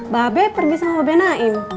babe pergi sama babe naim